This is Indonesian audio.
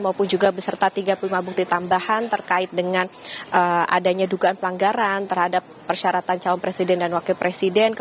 maupun juga beserta tiga puluh lima bukti tambahan terkait dengan adanya dugaan pelanggaran terhadap persyaratan calon presiden dan wakil presiden